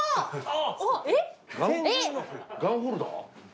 ガンホルダー？